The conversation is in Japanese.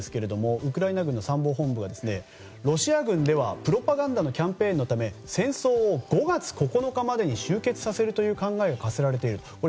ウクライナ軍の参謀本部がロシア軍ではプロパガンダのキャンペーンのため戦争を５月９日までに終結させるという考えが課せられていると。